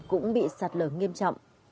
cũng bị xạt lở nghiêm trọng